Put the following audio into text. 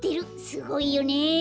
すごいよね。